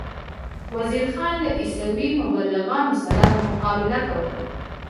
وزیر خان له عیسوي مبلغانو سره مقابله کوله.